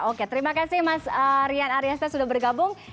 oke terima kasih mas rian ariesta sudah bergabung